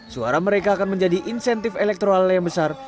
suara mereka akan menjadi insentif elektoral yang besar